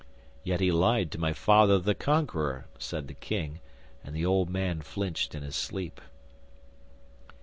'"Yet he lied to my Father, the Conqueror," said the King, and the old man flinched in his sleep.